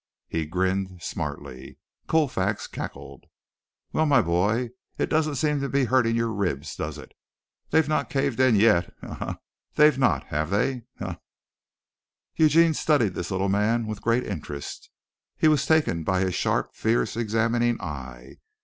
He grinned smartly. Colfax cackled. "Well, my boy, it doesn't seem to be hurting your ribs, does it? They've not caved in yet. Ha! Ha! Ha! Ha! They've not, have they? Ha! Ha!" Eugene studied this little man with great interest. He was taken by his sharp, fierce, examining eye.